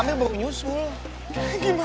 aduh bu donut gimana